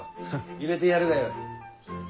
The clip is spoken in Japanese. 入れてやるがよい。